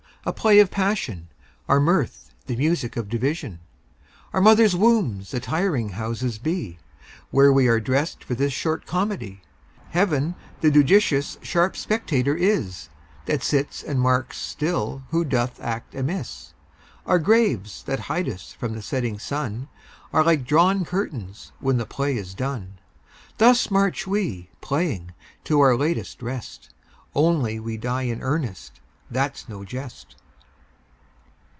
A play of passion, Our mirth the music of division, Our mother's wombs the tiring houses be, Where we are dressed for this short comedy. Heaven the judicious sharp spectator is, That sits and marks still who doth act amiss. Our graves that hide us from the setting sun Are like drawn curtains when the play is done. Thus march we, playing, to our latest rest, Only we die in earnest, that's no jest.